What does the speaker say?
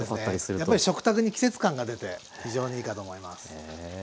やっぱり食卓に季節感が出て非常にいいかと思います。